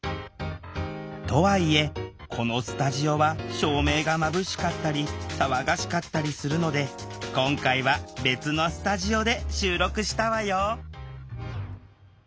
とはいえこのスタジオは照明がまぶしかったり騒がしかったりするので今回は別のスタジオで収録したわよ